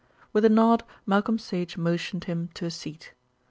With a nod Malcolm Sage motioned him to a seat.